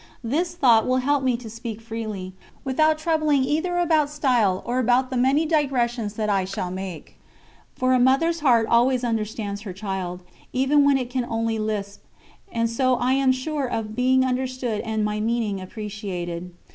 This thought will help me to speak freely, without troubling either about style or about the many digressions that I shall make; for a Mother's heart always understands her child, even when it can only lisp, and so I am sure of being understood and my meaning appreciated.